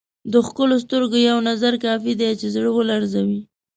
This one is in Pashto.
د ښکلو سترګو یو نظر کافي دی چې زړه ولړزوي.